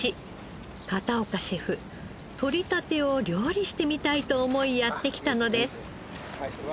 片岡シェフとりたてを料理してみたいと思いやって来たのです。